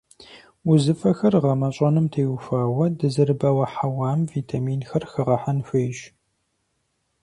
Узыфэхэр гъэмэщӀэным теухуауэ дызэрыбауэ хьэуам витаминхэр хэгъэхьэн хуейщ.